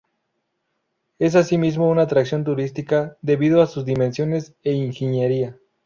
Es asimismo una atracción turística, debido a sus dimensiones e ingeniería.